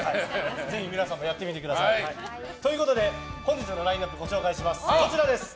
ぜひ皆さんもやってみてください。ということで本日のラインアップです。